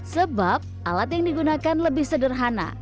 sebab alat yang digunakan lebih sederhana